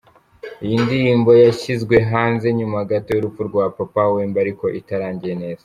Iyi ndirimbo yashyizwe hanze nyuma gato y’urupfu rwa Papa Wemba ariko itarangiye neza.